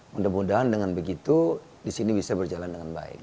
mudah mudahan dengan begitu di sini bisa berjalan dengan baik